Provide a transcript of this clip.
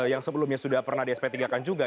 yang sebelumnya sudah pernah di sp tiga kan juga